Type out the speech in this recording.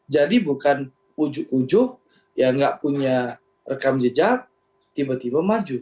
jadi bukan ujuh ujuh yang tidak punya rekam jejak tiba tiba maju